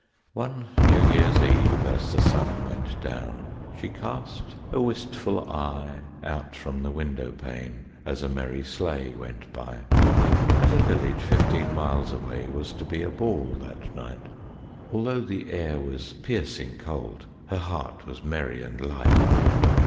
One New Year's Eve as the sun went down, she cast a wistful eye Out from the window pane as a merry sleigh went by. At a village fifteen miles away was to be a ball that night; Although the air was piercing cold, her heart was merry and light.